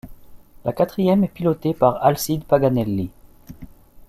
La quatrième est pilotée par Alcide Paganelli.